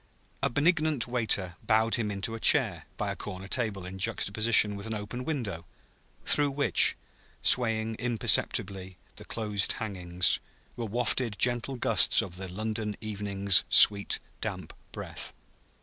A benignant waiter bowed him into a chair by a corner table in juxtaposition with an open window, through which, swaying imperceptibly the closed hangings, were wafted gentle gusts of the London evening's sweet, damp breath.